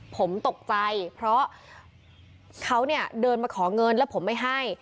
ผมตกใจเพราะเขาเนี่ยเดินมาขอเงินแล้วผมไม่ให้